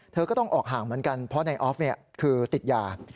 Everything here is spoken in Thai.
เธอก็ต้องออกห่างเหมือนกันเพราะนายออฟคือติดยา